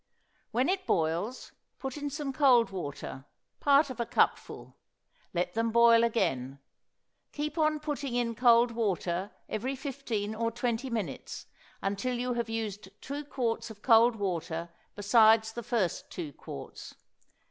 When it boils put in some cold water, part of a cupful, let them boil again; keep on putting in cold water every fifteen or twenty minutes, until you have used two quarts of cold water besides the first two quarts.